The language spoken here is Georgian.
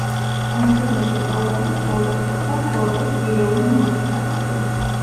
მეჩვიდმეტე საუკუნის ბოლოს მოხდა ფორტის ძირეული მოდიფიკაცია.